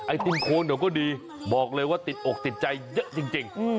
ติ้นโคนเขาก็ดีบอกเลยว่าติดอกติดใจเยอะจริง